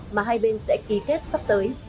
mà hai bên sẽ ký kết sắp tới